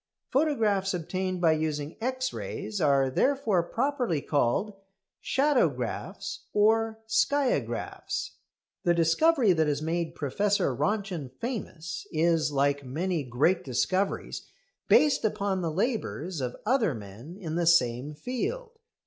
Photographs obtained by using X rays are therefore properly called shadowgraphs or skiagraphs. The discovery that has made Professor Röntgen famous is, like many great discoveries, based upon the labours of other men in the same field.